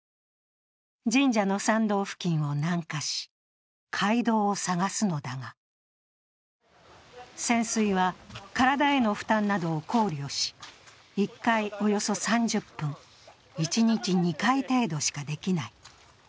神社の参道付近を南下し、街道を探すのだが潜水は体への負担などを考慮し、１回およそ３０分、一日２回程度しかできない。